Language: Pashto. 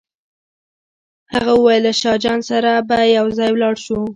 هغه وویل له شاه جان سره به یو ځای ولاړ شو.